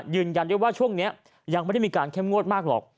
ยืนยันได้ว่าช่วงนี้ยังไม่ได้มีการเข้มงวดมากหรอก